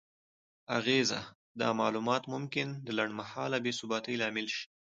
اغیزه: دا معلومات ممکن د لنډمهاله بې ثباتۍ لامل شي؛